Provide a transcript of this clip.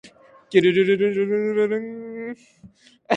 きゅるるるるるるるるんんんんんん